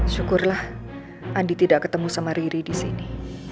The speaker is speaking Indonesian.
syukurlah andi tidak ketemu sama riri di sini